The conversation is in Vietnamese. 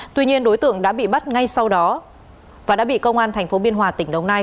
tuy nhiên đối tượng đã bị bắt ngay sau đó và đã bị công an tp biên hòa tỉnh đồng nai